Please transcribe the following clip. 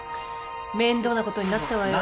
面倒なことになったわよ。